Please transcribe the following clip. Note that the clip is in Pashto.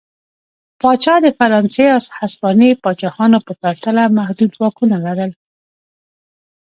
پاچا د فرانسې او هسپانیې پاچاهانو په پرتله محدود واکونه لرل.